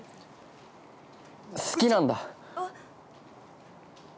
好きなんだ。